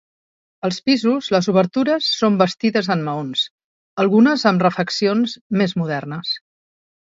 Als pisos, les obertures són bastides en maons, algunes amb refeccions més modernes.